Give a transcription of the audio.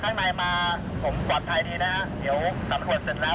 ข้างในมาผมปวดภัยดีนะครับ